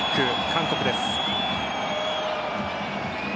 韓国です。